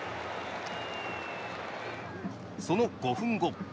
その５分後。